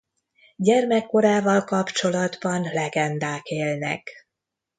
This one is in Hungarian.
Gyermekkorával kapcsolatban legendák élnek.